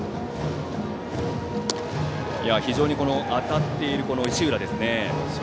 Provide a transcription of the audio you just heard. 非常に当たっている石浦ですね。